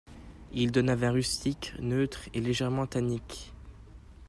Il donne un vin rustique, neutre et légèrement tannique.